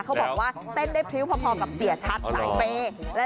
เขาบอกว่าเต้นได้พริ้วพอกับเสียชัดสายเปย์